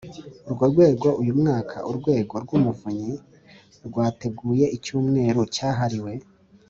urwo rwego uyu mwaka Urwego rw Umuvunyi rwateguye Icyumweru Cyahariwe